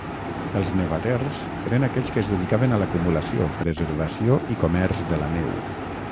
Els nevaters eren aquells que es dedicaven a l'acumulació, preservació i comerç de la neu.